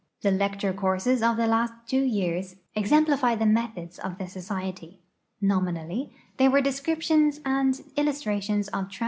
The lecture courses of the last two years exemplify the methods of the Society. Nominalh', they were descriptions and illustrations of tran.